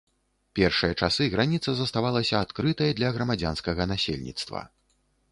Першыя часы граніца заставалася адкрытай для грамадзянскага насельніцтва.